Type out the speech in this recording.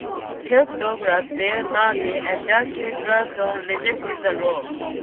Kirk Douglas, Dean Martin, and Jackie Gleason rejected the role.